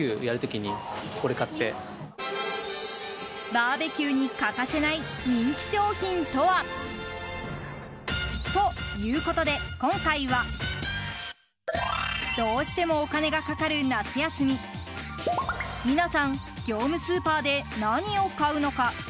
バーベキューに欠かせない人気商品とは？ということで、今回はどうしてもお金がかかる夏休み皆さん、業務スーパーで何を買うのか？